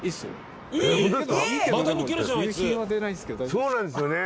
そうなんですよね。